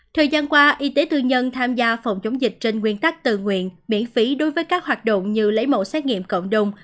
thời gian qua y tế tư nhân tham gia phòng chống dịch trên nguyên tắc tự nguyện miễn phí đối với các hoạt động như lấy mẫu xét nghiệm cộng đồng